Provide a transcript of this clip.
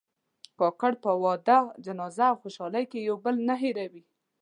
کاکړ په واده، جنازه او خوشحالۍ کې یو بل نه هېروي.